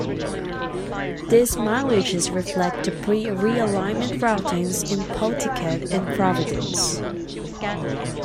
These mileages reflect the pre-realignment routings in Pawtucket and Providence.